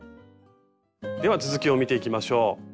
では続きを見ていきましょう。